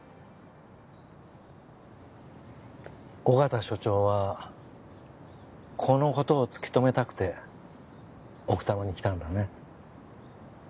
緒方署長はこのことを突き止めたくて奥多摩に来たんだね。